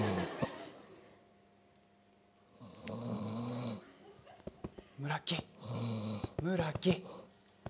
木村木村木！